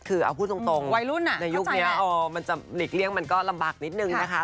คือพูดตรงในยุคนี้มันจะหลีกเลี้ยงมันก็ลำบากนิดนึงนะคะ